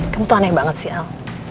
kamu aneh banget sih al